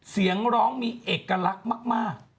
เสียงร้องมีเอกลักษณ์มาก